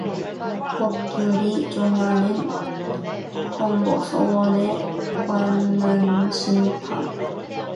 법률이 정하는 헌법소원에 관한 심판